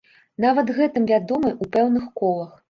Нават гэтым вядомыя ў пэўных колах.